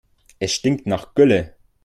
Es stinkt nach Gülle.